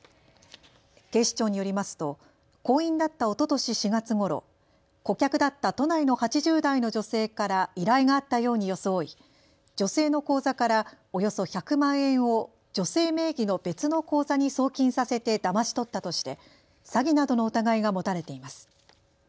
警視庁によりますと行員だったおととし４月ごろ、顧客だった都内の８０代の女性から依頼があったように装い女性の口座からおよそ１００万円を女性名義の別の口座に送金させてだまし取ったとして詐欺などの疑いが持たれています。